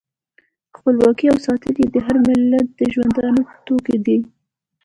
خپلواکي او ساتل یې د هر ملت د ژوندانه توکی دی.